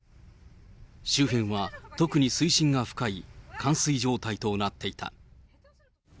周辺は特に水深が深い冠水状態となっていた。